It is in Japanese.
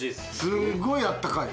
すごいあったかい。